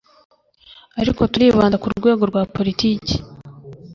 ariko turibanda ku rwego rwa politiki